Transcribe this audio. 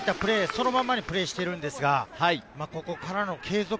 そのままにプレーしているのですが、ここからの継続。